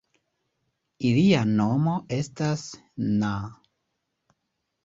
Ilia nomo estas na.